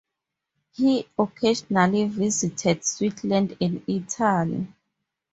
He occasionally visited Switzerland and Italy.